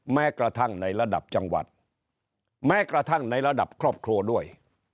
แม้กระทั่งในระดับจังหวัดแม้กระทั่งในระดับครอบครัวด้วย